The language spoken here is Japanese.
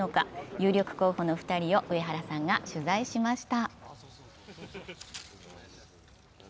有力候補の２人を上原さんが取材しました。